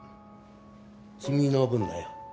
君の分だよ。